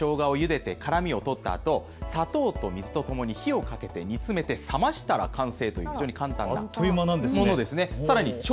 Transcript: スライスしたしょうがをゆでて辛みを取ったあと砂糖と水とともに火にかけて煮詰め冷ましたら完成という非常に簡単なものです。